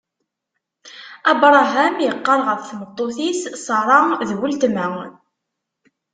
Abṛaham iqqar ɣef tmeṭṭut-is Ṣara: D weltma.